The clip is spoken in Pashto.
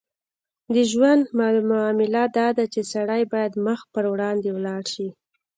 د ژوند معامله داده چې سړی باید مخ پر وړاندې ولاړ شي.